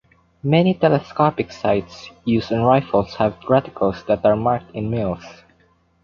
Many telescopic sights used on rifles have reticles that are marked in mils.